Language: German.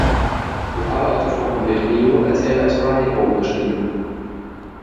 Lokal ausgesprochen wird Rio, als wäre es Rye-oh geschrieben.